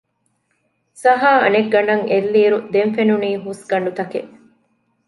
ސަހާ އަނެއްގަނޑަށް އެއްލިއިރު ދެން ފެނުނީ ހުސްގަނޑުތަކެއް